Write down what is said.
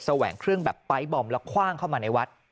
แหวงเครื่องแบบไปร์ทบอมแล้วคว่างเข้ามาในวัด